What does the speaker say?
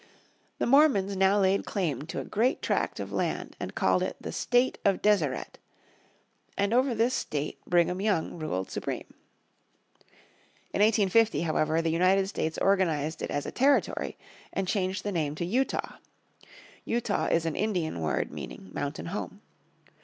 The Mormons now laid claim to a great tract of land and called it the State of Deseret. And over this state Brigham Young ruled supreme. In 1850, however, the United States organized it as a territory and changed the name to Utah. Utah is an Indian word meaning Mountain Home.